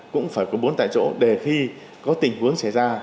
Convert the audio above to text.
cũng phải có bốn tại chỗ để khi có tình huống xảy ra